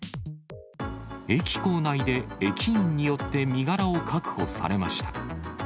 駅構内で駅員によって身柄を確保されました。